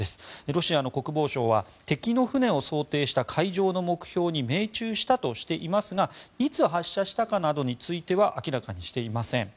ロシアの国防省は敵の船を想定した海上の目標に命中したとしていますがいつ発射したかなどについては明らかにしていません。